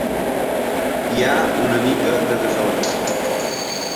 Hi ha una mica de desordre.